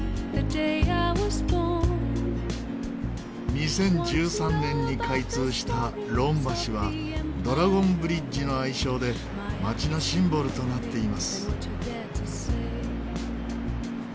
２０１３年に開通したロン橋はドラゴンブリッジの愛称で街のシンボルとなっています。